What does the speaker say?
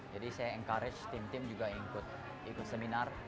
jadi saya encourage tim tim juga ikut seminar